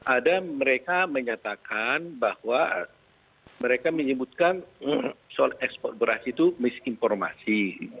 ada mereka menyatakan bahwa mereka menyebutkan soal ekspor beras itu misinformasi